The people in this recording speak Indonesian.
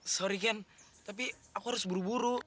sorry kan tapi aku harus buru buru